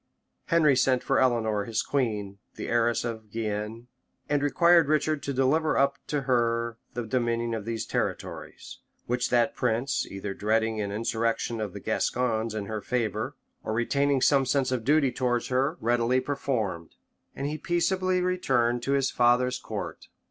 Henry sent for Eleanor, his queen, the heiress of Guienne, and required Richard to deliver up to her the dominion of these territories; which that prince, either dreading an insurrection of the Gascons in her favor, or retaining some sense of duty towards her, readily performed; and he peaceably returned to his father's court.